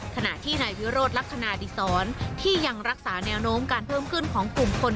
ขณะที่นายวิโรธลักษณะดิสรที่ยังรักษาแนวโน้มการเพิ่มขึ้นของกลุ่มคน